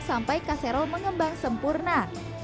sampai casserole mengembang sempurna